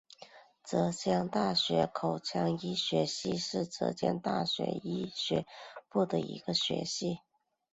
浙江大学口腔医学系是浙江大学医学部的一个学系。